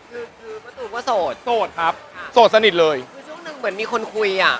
คือคือมะตูมก็โสดโสดครับค่ะโสดสนิทเลยคือช่วงหนึ่งเหมือนมีคนคุยอ่ะ